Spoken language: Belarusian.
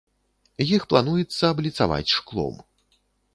Іх плануецца абліцаваць шклом.